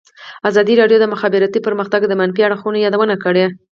ازادي راډیو د د مخابراتو پرمختګ د منفي اړخونو یادونه کړې.